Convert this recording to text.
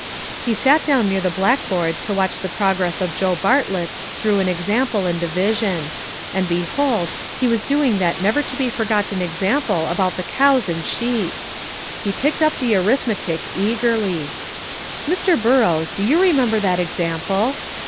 He sat down near the blackboard to watch the progress of Joe Bartlett through an example in division. And behold, he was doing that old never to be forgotten example about the cows and sheep! He picked up an arithmetic eagerly. "Mr. Burrows, do you remember that example?'